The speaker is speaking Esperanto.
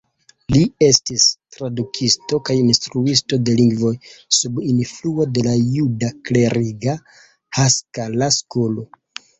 Li estis tradukisto kaj instruisto de lingvoj, sub influo de la juda kleriga Haskala-skolo.